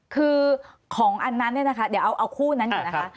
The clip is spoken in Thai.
คือของอันนั้นเนี่ยนะคะเดี๋ยวเอาคู่นั้นก่อนนะคะ